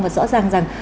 và rõ ràng rằng